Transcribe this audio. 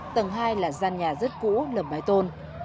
tầng hai là gian nhà rất cũ lầm mái tôn